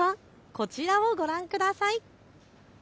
こちらをご覧ください。